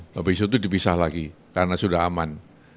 tapi besok itu dipisah lagi karena sudah aman